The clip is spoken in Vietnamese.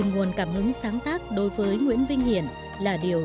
được phong tặng danh hiệu